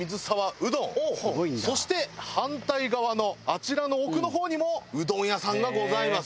そして反対側のあちらの奥の方にもうどん屋さんがございます。